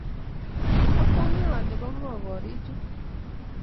awkonge ale bo ngo kori chu.